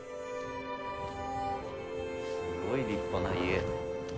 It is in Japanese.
すごい立派な家。